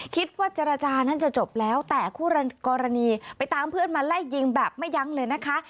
คิดว่าเจรจานั้นจะจบแล้วแต่คู่กรณีไปตามเพื่อนมาไล่ยิงแบบไม่ยั้งเลยนะคะ